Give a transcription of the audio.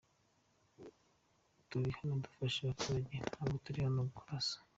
Turi hano gufasha abaturage, ntabwo turi hano kurasa.